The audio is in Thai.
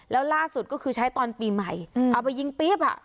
แล้วล่าสุดก็คือใช้ตอนปีใหม่เอาไปยิงปี๊บอ่ะ